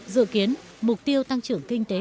dự kiến mục tiêu tăng trưởng kinh tế